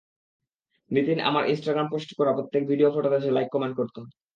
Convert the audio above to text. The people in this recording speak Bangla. নিতিন আমার ইন্সট্রাগ্রামে পোস্ট করা, প্রত্যেক ভিডিও- ফটোতে সে লাইক- কমেন্ট করত।